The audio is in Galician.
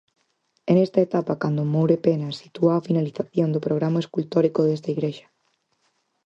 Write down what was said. É nesta etapa cando Moure Pena sitúa a finalización do programa escultórico desta igrexa.